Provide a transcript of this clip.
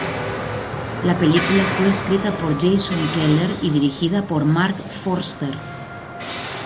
La película fue escrita por Jason Keller y dirigida por Marc Forster.